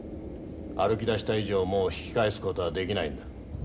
歩きだした以上もう引き返す事はできないんだ。